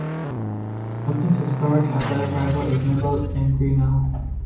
Milton's historic athletic rival is Noble and Greenough.